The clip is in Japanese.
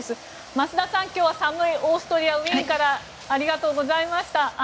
増田さん、今日はオーストリアのウィーンからありがとうございました。